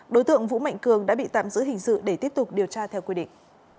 đối tượng vũ mạnh cường đã bị tạm giữ hình sự để tiếp tục điều tra theo quy định